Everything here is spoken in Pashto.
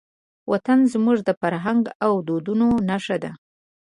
وطن زموږ د فرهنګ او دودونو نښه ده.